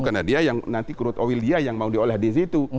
karena dia yang nanti crude oil dia yang mau diolah di situ